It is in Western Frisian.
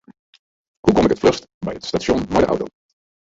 Hoe kom ik it fluchst by it stasjon mei de auto?